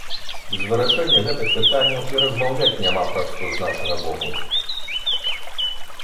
Без вырашэння гэтых пытанняў і размаўляць няма пра што, з нашага боку.